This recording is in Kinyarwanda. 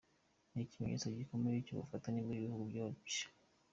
Ni ikimenyetso gikomeye cy’ubufatanye bw’ibihugu byacu.